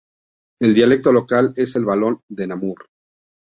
El dialecto local es el valón de Namur.